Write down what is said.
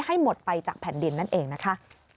ให้หมดไปจากแผ่นดินนั่นเองนะคะ